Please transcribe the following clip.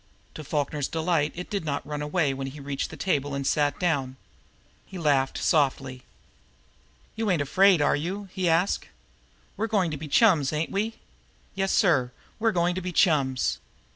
To Falkner's delight it did not run away when he reached the table and sat down. He laughed softly. "You ain't afraid, are you?" he asked. "We're goin' to be chums, ain't we? Yessir, we're goin' to be chums!"